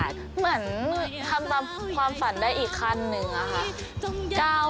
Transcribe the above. เหมือนทำตามความฝันได้อีกขั้นหนึ่งอะค่ะ